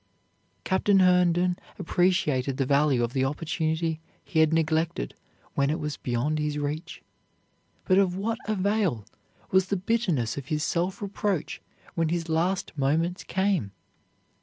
Captain Herndon appreciated the value of the opportunity he had neglected when it was beyond his reach, but of what avail was the bitterness of his self reproach when his last moments came?